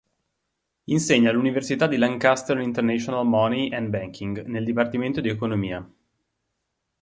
Insegna all'Università di Lancaster International Money and Banking nel Dipartimento di Economia.